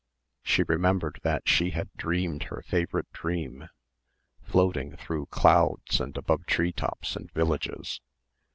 She remembered that she had dreamed her favourite dream floating through clouds and above tree tops and villages.